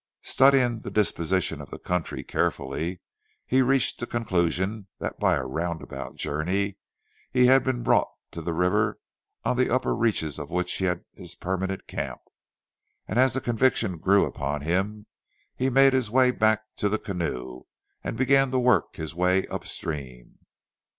Studying the disposition of the country carefully, he reached the conclusion that by a roundabout journey he had been brought to the river on the upper reaches of which he had his permanent camp; and as the conviction grew upon him, he made his way back to the canoe, and began to work his way upstream.